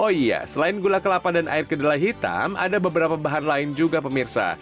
oh iya selain gula kelapa dan air kedelai hitam ada beberapa bahan lain juga pemirsa